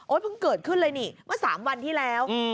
เพิ่งเกิดขึ้นเลยนี่เมื่อ๓วันที่แล้ว